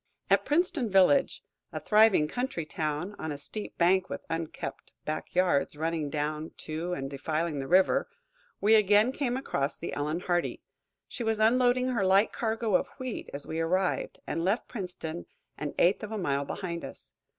At Princeton village, a thriving country town on a steep bank, with unkempt backyards running down to and defiling the river, we again came across the "Ellen Hardy." She was unloading her light cargo of wheat as we arrived, and left Princeton an eighth of a mile behind us.